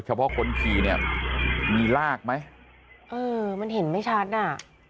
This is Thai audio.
เฉพาะคนกี่มีรากไหมเออมันเห็นไม่ชัดนะ